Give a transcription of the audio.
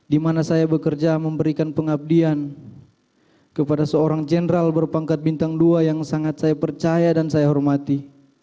di mana saya bekerja memberikan pengabdian kepada seorang jenderal berpangkat bintang dua yang sangat saya percaya dan saya hormati